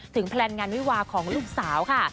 แพลนงานวิวาของลูกสาวค่ะ